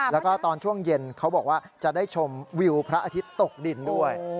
แล้วก็ตอนช่วงเย็นเขาบอกว่าจะได้ชมวิวพระอาทิตย์ตกดินด้วย